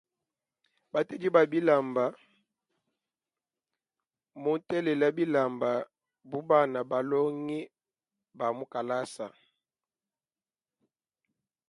Batedi ba bilamba mutelela bilamba bi bana balongiba kalasa.